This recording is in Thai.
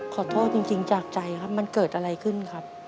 ขอโทษจริงจากใจครับมันเกิดอะไรขึ้นครับ